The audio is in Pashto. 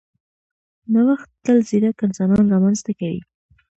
نوښت تل ځیرک انسانان رامنځته کوي.